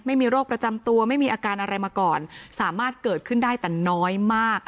ไม่มีโรคประจำตัวไม่มีอาการอะไรมาก่อนสามารถเกิดขึ้นได้แต่น้อยมาก